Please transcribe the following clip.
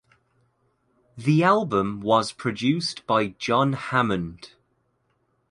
The album was produced by John Hammond.